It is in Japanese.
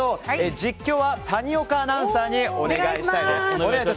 実況は谷岡アナウンサーでお願いします。